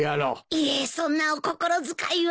いえそんなお心遣いは。